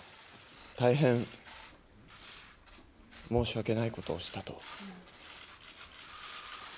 大変申し訳ないことをしたと。